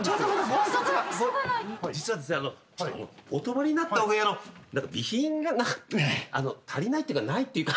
実はですねお泊まりになったお部屋の備品が足りないっていうかないっていうか。